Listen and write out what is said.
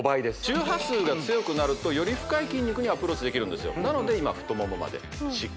周波数が強くなるとより深い筋肉にアプローチできるんですよなので今太ももまでしっかり刺激するためには